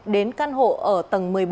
đến căn hộ ở tầng một mươi bốn